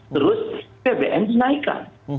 terus bbm dinaikkan